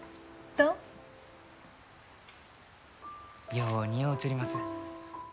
よう似合うちょります。